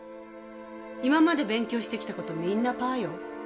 今まで勉強してきたこともみんなパーよ？